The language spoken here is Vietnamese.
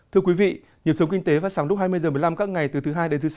thưa quý vị nhiệm sống kinh tế và sáng lúc hai mươi h một mươi năm các ngày từ thứ hai đến thứ sáu